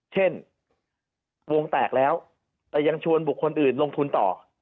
เช่นวงแตกแล้วแต่ยังชวนบุคคลอื่นลงทุนต่อ